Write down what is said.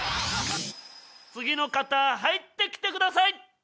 次の方入ってきてください！